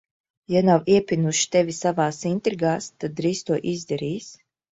Ja nav iepinuši tevi savās intrigās, tad drīz to izdarīs.